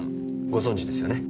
ご存じですよね？